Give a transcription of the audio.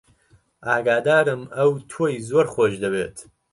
ئاگادارم ئەو تۆی زۆر خۆش دەوێت.